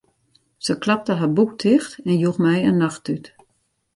Se klapte har boek ticht en joech my in nachttút.